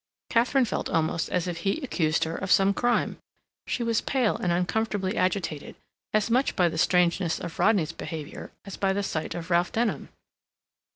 Katharine felt almost as if he accused her of some crime. She was pale and uncomfortably agitated, as much by the strangeness of Rodney's behavior as by the sight of Ralph Denham.